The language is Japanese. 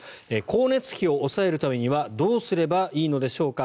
光熱費を抑えるためにはどうすればいいのでしょうか。